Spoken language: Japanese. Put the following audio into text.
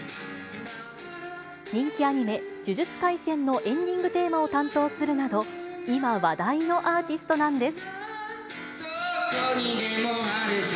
人気アニメ、呪術廻戦のエンディングテーマを担当するなど、今話題のアーティストなんです。